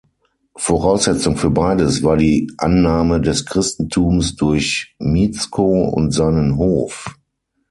Voraussetzung für beides war die Annahme des Christentums durch Mieszko und seinen Hof.